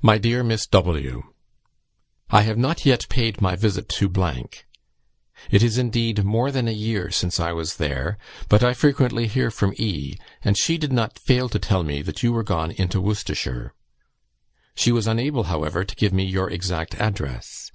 "MY DEAR MISS W , "I have not yet paid my visit to ; it is, indeed, more than a year since I was there, but I frequently hear from E., and she did not fail to tell me that you were gone into Worcestershire; she was unable, however, to give me your exact address.